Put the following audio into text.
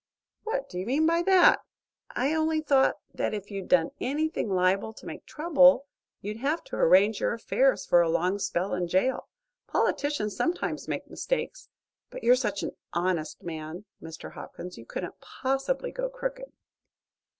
"What do you mean by that?" "I only thought that if you'd done anything liable to make trouble, you'd have to arrange your affairs for a long spell in jail. Politicians sometimes make mistakes. But you're such an honest man, Mr. Hopkins, you couldn't possibly go crooked."